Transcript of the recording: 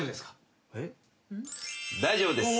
大丈夫です。